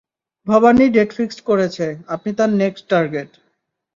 Bhabani date fixed করেছে, আপনি তার নেক্সট টার্গেট।